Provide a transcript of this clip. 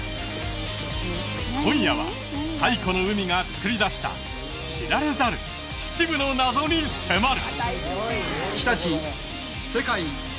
今夜は太古の海がつくり出した知られざる秩父の謎に迫る！